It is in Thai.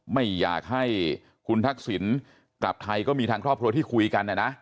ไม่อยากให้คุณทักษิณกลับไทยก็มีทางครอบครัวที่คุยกันนะนะ